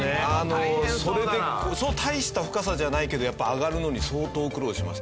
それでそう大した深さじゃないけどやっぱり上がるのに相当苦労しました。